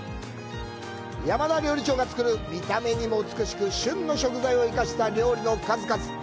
山田料理長が作る見た目にも美しく、旬の食材を生かした料理の数々。